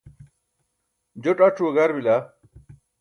joṭ ac̣ue gar bila